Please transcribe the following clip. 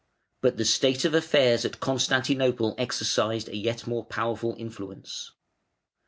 But the state of affairs at Constantinople exercised a yet more powerful influence.